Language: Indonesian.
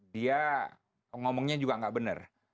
dia ngomongnya juga nggak benar